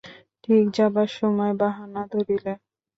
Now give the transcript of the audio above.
ঠিক যাবার সময় বাহানা ধরিলে।